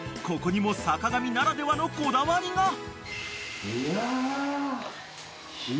［ここにも坂上ならではのこだわりが］